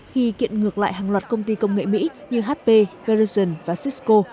khi kiện ngược lại hàng loạt công ty công nghệ mỹ như hp verizon và cisco